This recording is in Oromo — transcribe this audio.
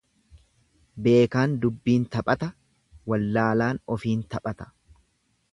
Beekaan dubbiin taphata wallaalaan ofiin taphata.